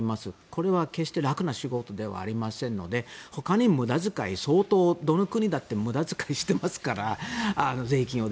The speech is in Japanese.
これは決して楽な仕事ではありませんのでほかにも無駄遣いが相当どの国だって無駄使いしてますから、税金を。